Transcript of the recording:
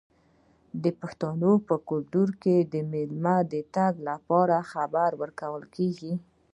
د پښتنو په کلتور کې د میلمه د راتګ خبر ورکول کیږي.